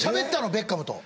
ベッカムと。